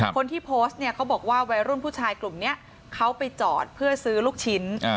คนที่โพสต์เนี่ยเขาบอกว่าวัยรุ่นผู้ชายกลุ่มนี้เขาไปจอดเพื่อซื้อลูกชิ้น